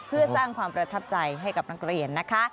เพื่อสร้างความประทับใจให้กับนักเรียนนะคะ